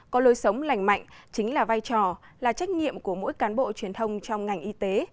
có lối sống lành mạnh chính là vai trò là trách nhiệm của mỗi cán bộ truyền thông trong ngành y tế